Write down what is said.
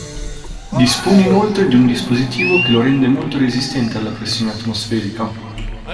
Dispone inoltre di un dispositivo che lo rende molto resistente alla pressione atmosferica.